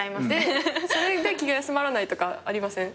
それで気が休まらないとかありません？